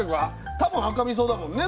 たぶん赤みそだもんね